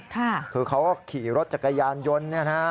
คือเขาขี่รถจักรยานยนต์